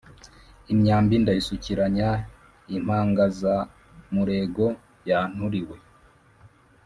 Imyambi ndayisukiranya Impangazamurego yanturiwe